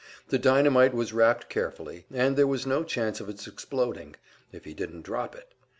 The dynamite was wrapped carefully, and there was no chance of its exploding if he didn't drop it!